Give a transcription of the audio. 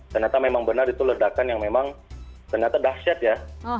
ternyata memang benar itu ledakan yang memang ternyata dahsyat ya